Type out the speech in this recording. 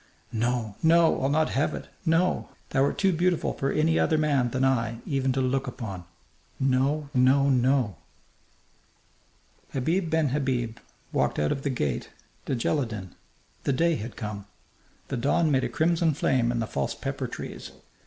"No, no! I'll not have it! No! Thou art too beautiful for any other man than I even to look upon! No, no, no!" Habib ben Habib walked out of the gate Djelladin. The day had come; the dawn made a crimson flame in the false pepper trees.